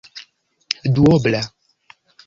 duobla